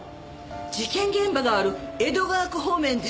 事件現場がある江戸川区方面ですね。